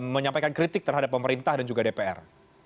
menyampaikan kritik terhadap pemerintah dan juga dpr